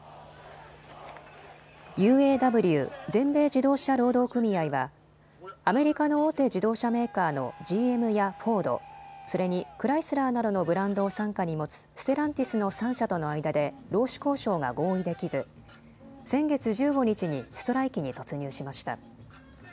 ＵＡＷ・全米自動車労働組合はアメリカの大手自動車メーカーのＧＭやフォード、それにクライスラーなどのブランドを傘下に持つステランティスの３社との間で労使交渉が合意できず先月１５日にストライキに突入しました。